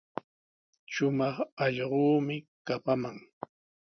Shumaq allquumi kapaman.